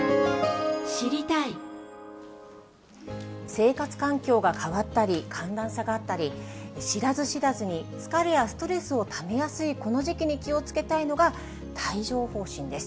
生活環境が変わったり、寒暖差があったり、知らず知らずに疲れやストレスをためやすいこの時期に気をつけたいのが、帯状ほう疹です。